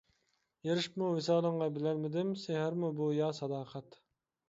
ئېرىشىپمۇ ۋىسالىڭغا بىلەلمىدىم سېھىرمۇ بۇ يا ساداقەت.